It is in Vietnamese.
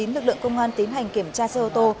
lực lượng công an tiến hành kiểm tra xe ô tô